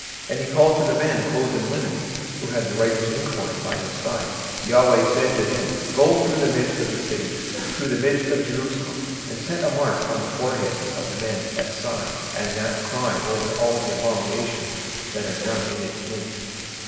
And he called to the man clothed with linen, which had the writer's inkhorn by his side; 26:009:004 And the LORD said unto him, Go through the midst of the city, through the midst of Jerusalem, and set a mark upon the foreheads of the men that sigh and that cry for all the abominations that be done in the midst thereof.